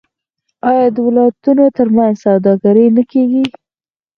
آیا د ولایتونو ترمنځ سوداګري نه کیږي؟